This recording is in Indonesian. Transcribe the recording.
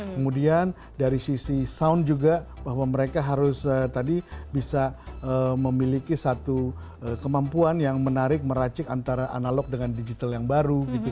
kemudian dari sisi sound juga bahwa mereka harus tadi bisa memiliki satu kemampuan yang menarik meracik antara analog dengan digital yang baru gitu